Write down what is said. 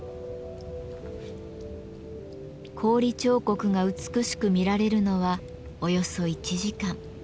氷彫刻が美しく見られるのはおよそ１時間。